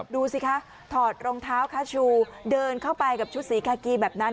ดูสิคะถอดรองเท้าคาชูเดินเข้าไปกับชุดสีกากีแบบนั้น